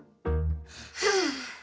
はあ。